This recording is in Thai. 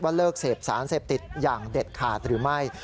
เลิกเสพสารเสพติดอย่างเด็ดขาดหรือไม่